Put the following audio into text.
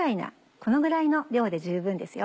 このぐらいの量で十分ですよ。